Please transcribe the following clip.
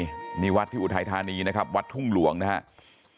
นี่วัดที่อุทัยธานีนะครับวัดทุ่งหลวงนะครับ